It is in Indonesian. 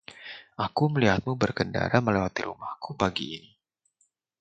Aku melihatmu berkendara melewati rumahku pagi ini.